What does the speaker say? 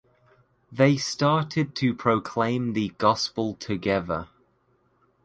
They started to proclaim the Gospel together.